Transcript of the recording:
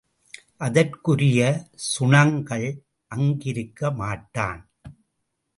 அதற்குரிய சுணங்கள் அங்கிருக்க மாட்டான்.